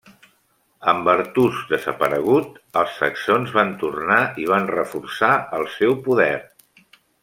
Amb Artús desaparegut, els saxons van tornar i van reforçar el seu poder.